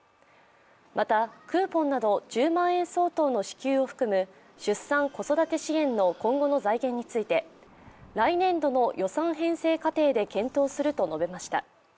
また、クーポンなど１０万円相当の支給を含む、出産・子育て支援の今後の財源について来年度の予算編成過程で検討すると述べました。